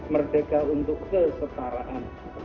merdeka untuk kesetaraan